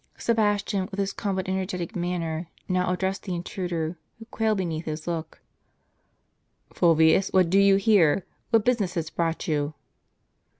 Sebastian, with his calm but energetic manner, now addressed the intruder, who quailed beneath his look, " Fulvius, what do you here ? what business has brought you?"